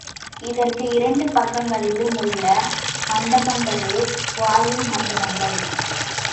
இதற்கு இரண்டு பக்கங்களிலும் உள்ள மண்டபங்களே வாயில் மண்டபங்கள்.